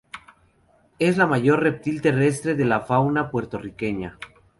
Es el mayor reptil terrestre de la fauna puertorriqueña.